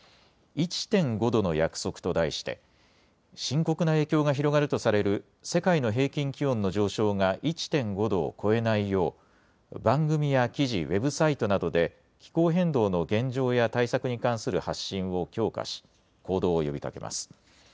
１．５℃の約束と題して深刻な影響が広がるとされる世界の平均気温の上昇が１．５度を超えないよう番組や記事、ウェブサイトなどで気候変動の現状や対策に関する発信を強化し行動を呼びかけます。